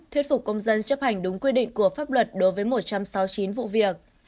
thuyết phục công dân chấp hành đúng quy định của pháp luật đối với một trăm sáu mươi chín vụ việc